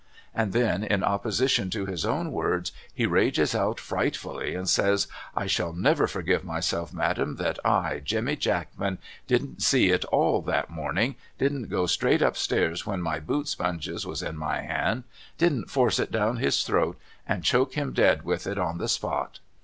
And then in opposition to his own words he rages out frightfully, and says ' I shall never forgive myself Madam, that I, Jemmy Jackman, didn't see it all that morning —■ didn't go straight up stairs when my boot sponge was in my hand ■— didn't force it down his throat — and choke him dead with it on the spot